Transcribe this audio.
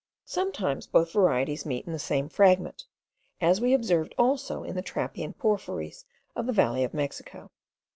Sometimes both varieties meet in the same fragment, as we observed also in the trappean porphyries of the valley of Mexico.